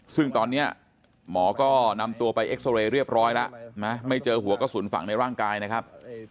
ซึ่งตอนนี้หมอก็นำตัวไปเอ็กซอเรย์เรียบร้อยแล้วนะไม่เจอหัวกระสุนฝังในร่างกายนะครับ